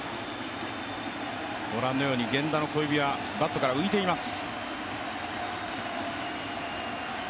ご覧のように源田の小指はバットから浮いています。